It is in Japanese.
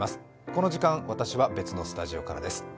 この時間、私は別のスタジオからです。